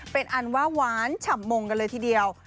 เป็นอันว่าหวานฉ่ำมงกันเลยทีเดียว